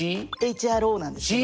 ＨＲＯなんですけど。